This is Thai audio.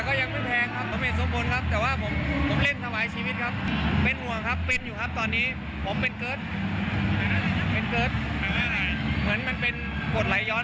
ก็คือโรคกฎไหลย้อน